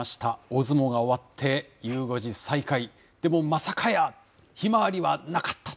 大相撲が終わって、ゆう５時再開、でもまさかや、ひまわりはなかった。